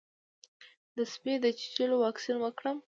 د سپي د چیچلو واکسین وکړم؟